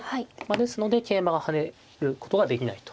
ですので桂馬が跳ねることができないと。